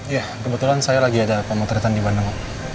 ya kebetulan saya lagi ada pemotretan di bandung